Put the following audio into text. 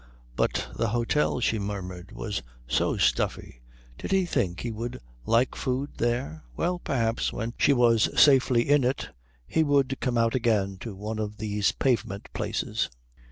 But the hôtel, she murmured, was so stuffy did he think he would like food there? Well, perhaps when she was safely in it he would come out again to one of these pavement places.